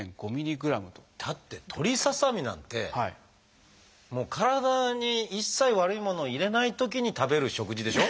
だって鳥ささみなんてもう体に一切悪いものを入れないときに食べる食事でしょ。